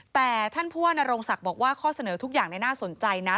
แต่ท่านผู้ว่านโรงศักดิ์บอกว่าข้อเสนอทุกอย่างน่าสนใจนะ